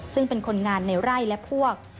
ซึ่งเป็นคนงานในไร่และพวก